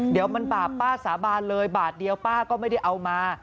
เดี๋ยวมันบาปป้าสาบานเลยบาทเดียวป้าก็ไม่ได้เอามา